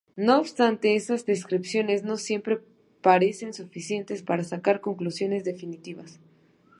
No obstante, esas descripciones no siempre parecen suficientes para sacar conclusiones definitivas.